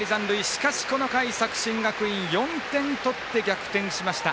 しかし、この回作新学院、４点取って逆転しました。